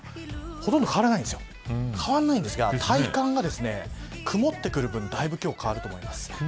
ほとんど変わらないんですが体感が曇ってくる分だいぶ今日変わると思います。